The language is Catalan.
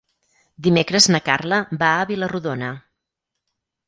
Dimecres na Carla va a Vila-rodona.